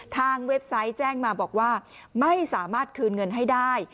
เว็บไซต์แจ้งมาบอกว่าไม่สามารถคืนเงินให้ได้